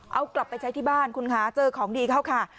เอากลับไปใช้ที่บ้านคุณคะเจอของดีเข้าค่ะ